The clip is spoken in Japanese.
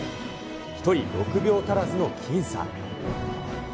１人６秒足らずの僅差。